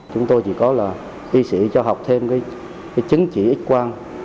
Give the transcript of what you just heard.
chúng tôi chỉ có là y sĩ cho học thêm cái chứng chỉ x quang